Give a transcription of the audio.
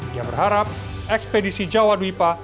dia berharap ekspedisi jawa duipa